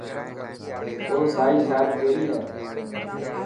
او سائي شال ڪيري هي.